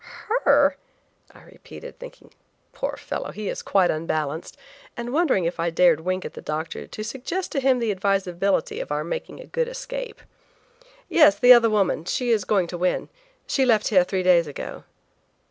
Her!!" I repeated, thinking, "Poor fellow, he is quite unbalanced," and wondering if I dared wink at the doctor to suggest to him the advisability of our making good our escape. "Yes, the other woman; she is going to win. She left here three days ago."